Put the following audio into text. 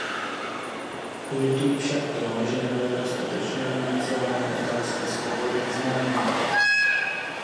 Lituji však toho, že nebyla dostatečně analyzována otázka svobody vyznání.